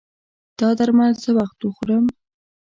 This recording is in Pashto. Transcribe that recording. دا درمل څه وخت وخورم؟